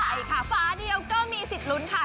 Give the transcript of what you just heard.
ใช่ค่ะฝาเดียวก็มีสิทธิ์ลุ้นค่ะ